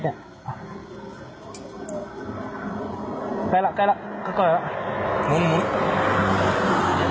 ดูมันไปใกล้แล้วก็ก็เลยแล้ว